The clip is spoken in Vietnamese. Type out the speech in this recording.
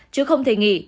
chứ không thể nghỉ